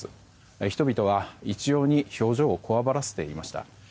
人々は一様に表情をこわばらせていました。